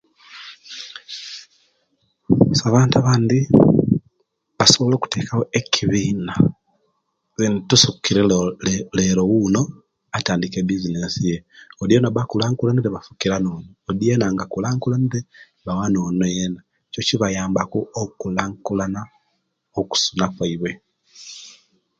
Ife abantu abandi basobola okutekawo ekibina ze nti tufukire le Lero wuno atandike bisinesi ye odi yena owaba akulankulanire nebafukira ono odi yena nga Akulankulanire bawa no'onu yeena echo chibayamba ku okulankulana okufuna kwaiwe